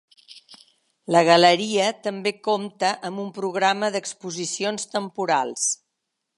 La galeria també compta amb un programa d'exposicions temporals.